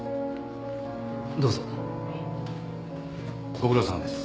ご苦労さまです。